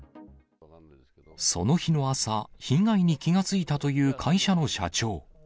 その日の朝、被害に気が付いたという会社の社長。